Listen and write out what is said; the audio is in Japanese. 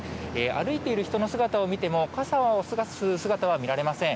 歩いている人の姿を見ても傘を差す姿は見られません。